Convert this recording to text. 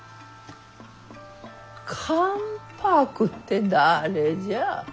関白って誰じゃ。